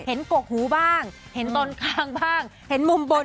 เห็นกกหูบ้างเห็นมุมมบนบ้างทนข้างบ้าง